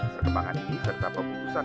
perkembangan ini serta pemutusan